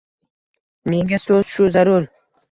Menga so‘z shu zarur.